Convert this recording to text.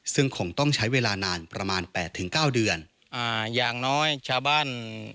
ซึ่งคงต้องใช้เวลานานประมาณแปดถึงเก้าเดือนอ่าอย่างน้อยชาวบ้าน